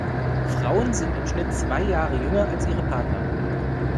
Frauen sind im Schnitt zwei Jahre jünger als ihre Partner.